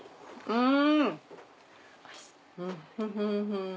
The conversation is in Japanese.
うん！